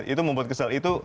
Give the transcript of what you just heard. itu membuat kesel